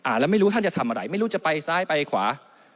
แล้วไม่รู้ท่านจะทำอะไรไม่รู้จะไปซ้ายไปขวา